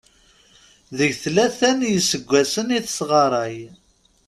Deg tlata n yiseggasen i tesɣaray.